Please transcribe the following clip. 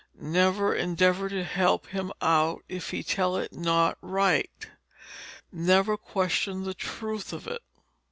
Never endeavour to help him out if he tell it not right. Snigger not; never question the Truth of it."